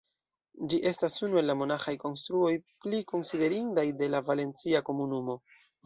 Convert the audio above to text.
Ĝi estas unu el la monaĥaj konstruoj pli konsiderindaj de la Valencia Komunumo.